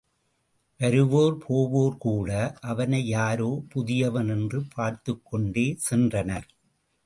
வருவோர் போவோர் கூட, அவனையாரோ புதியவன் என்று பார்த்துக் கொண்டே சென்றனர்.